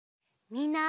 みんな。